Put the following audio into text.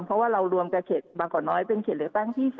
เพราะเมื่อก่อนน้อยเรารวมกับเขตเป็นเขตหลักบ้างที่๓๓